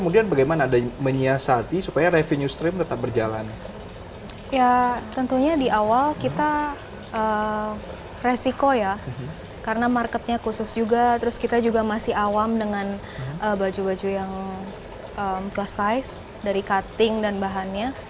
dari cutting dan bahannya